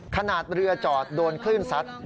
ขนาดเรือจอดโดนคลื่นซัด